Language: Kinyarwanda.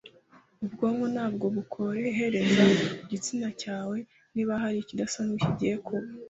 ubwonko nabwo bukohereza ku gitsina cyawe niba hari ikidasanzwe kigiye kuba